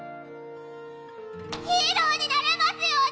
ヒーローになれますように！